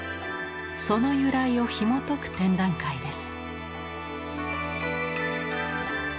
その由来をひもとく展覧会です。